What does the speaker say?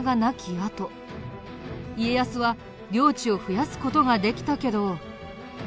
あと家康は領地を増やす事ができたけど。